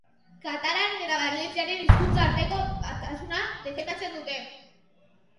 Katalan eta valentziera hizkuntzen arteko batasuna defendatzen dute.